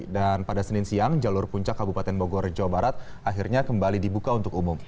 dan pada senin siang jalur puncak kabupaten bogor jawa barat akhirnya kembali dibuka untuk umum